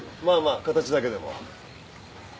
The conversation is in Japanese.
まあまあ形だけでも。